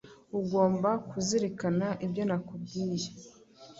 Ugomba kuzirikana ibyo nakubwiye.